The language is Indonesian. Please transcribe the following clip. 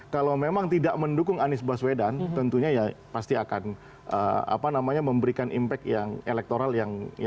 kalau memang tidak mendukung anies baswedan tentunya pasti akan memberikan impact yang elektoral yang tidak sikap baik